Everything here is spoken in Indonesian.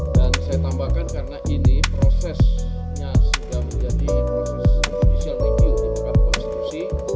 dan saya tambahkan karena ini prosesnya sudah menjadi proses judicial review di mahkamah konstitusi